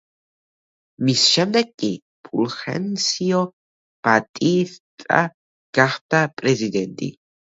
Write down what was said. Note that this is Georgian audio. მის შემდეგ კი ფულხენსიო ბატისტა გახდა პრეზიდენტი.